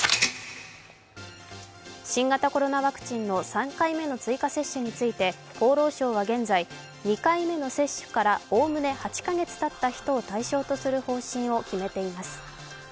新型コロナワクチンの３回目の追加接種について、厚労省は現在、２回目の接種からおおむね８カ月たった人を対象とする方針を決めています。